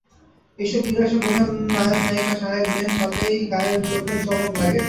এই-সব বিলাসের প্রধান নায়কনায়িকা সাহেব-মেম, তাতেই গাঁয়ের লোকের চমক লাগে।